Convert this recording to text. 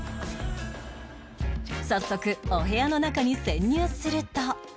早速お部屋の中に潜入すると